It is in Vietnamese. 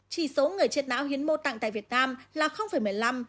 chỉ số người chết náo hiến mô tạng tại việt nam là tám mươi sáu